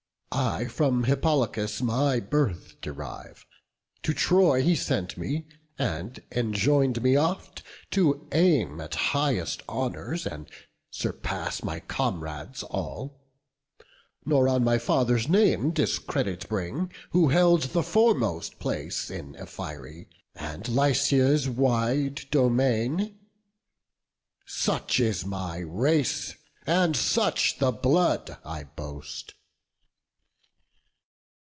I from Hippolochus my birth derive: To Troy he sent me, and enjoin'd me oft To aim at highest honours, and surpass My comrades all; nor on my father's name Discredit bring, who held the foremost place In Ephyre, and Lycia's wide domain. Such is my race, and such the blood I boast."